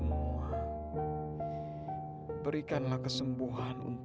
mukanya kayaknya lesu banget